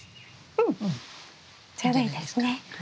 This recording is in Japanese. うんちょうどいいですね。